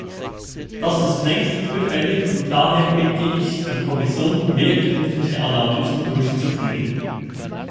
Das ist längst überfällig, und daher bitte ich die Kommission, mehr gründliche Analysen durchzuführen.